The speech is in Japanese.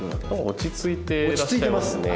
落ち着いてらっしゃいますね。